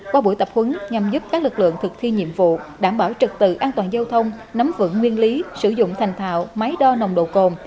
qua buổi tập huấn nhằm giúp các lực lượng thực thi nhiệm vụ đảm bảo trật tự an toàn giao thông nắm vững nguyên lý sử dụng thành thạo máy đo nồng độ cồn